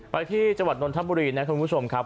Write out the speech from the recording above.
ไปที่จังหวัดนนทบุรีนะคุณผู้ชมครับ